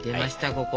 ここ。